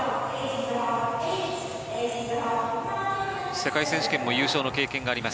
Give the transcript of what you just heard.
世界選手権も優勝の経験があります。